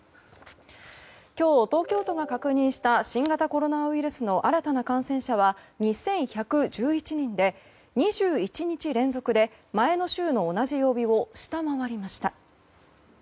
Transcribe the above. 今日、東京都が確認した新型コロナウイルスの新たな感染者は２１１１人で２１日連続で前の週の同じ曜日を下回りました。